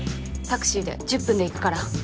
タクシーで１０分で行くから。